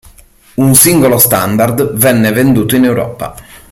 Un singolo standard venne venduto in Europa.